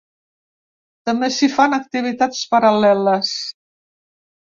També s’hi fan activitats paral·leles.